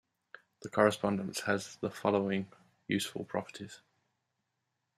The correspondence has the following useful properties.